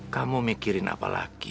kamu mikirin apa lagi